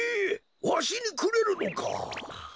わしにくれるのか？